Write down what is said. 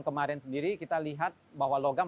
kemarin sendiri kita lihat bahwa logam